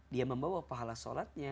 dia membawa pahala sholatnya